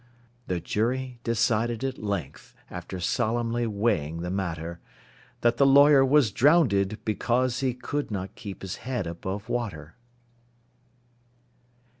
The jury decided at length, After solemnly weighing the matter, That the lawyer was drownded, because He could not keep his head above water!